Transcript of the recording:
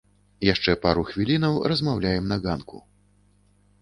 Яшчэ пару хвілінаў размаўляем на ганку.